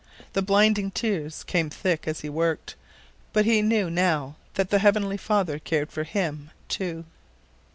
The blinding tears came thick as he worked, but he knew now that the Heavenly Father cared for him, too.